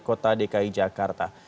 kota dki jakarta